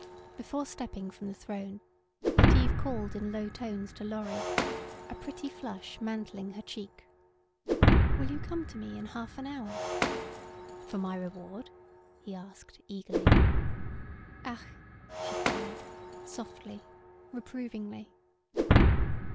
Before stepping from the throne, Yetive called in low tones to Lorry, a pretty flush mantling her cheek: "Will you come to me in half an hour?" "For my reward?" he asked, eagerly. "Ach?" she cried, softly, reprovingly.